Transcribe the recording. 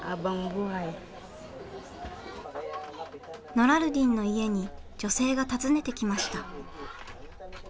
ノラルディンの家に女性が訪ねてきました。